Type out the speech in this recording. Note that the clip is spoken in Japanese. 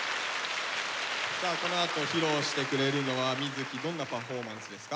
さあこのあと披露してくれるのは瑞稀どんなパフォーマンスですか？